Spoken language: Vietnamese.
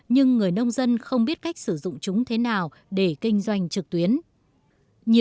nhưng người nông dân không biết cách sử dụng chúng thế nào để kinh doanh trực tuyến